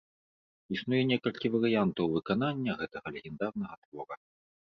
Існуе некалькі варыянтаў выканання гэтага легендарнага твора.